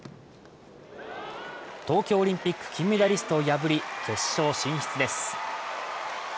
東京オリンピック金メダリストを破り、決勝進出です。